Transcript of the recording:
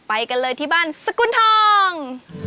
ไปกันเลยที่บ้านสกุลทอง